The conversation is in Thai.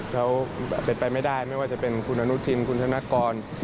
เขาเป็นไปไม่ได้ไม่ว่าจะเป็นคุณอนุทินคุณธนกร